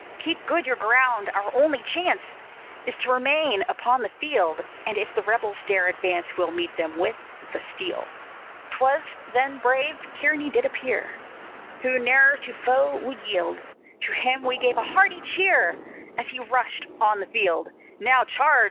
Keep good your ground, our only chance Is t' remain upon the field. And if the rebels dare advance, We'll meet them with the steel." 'Twas then brave Kearny did appear, Who ne'er to foe would yield, To him we gave a hearty cheer, As he rushed on the field. "Now, charge!